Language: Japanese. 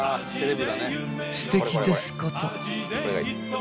［すてきですこと］